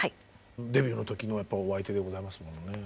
デビューの時のお相手でございますものね。